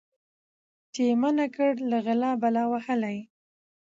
چي یې منع کړي له غلا بلا وهلی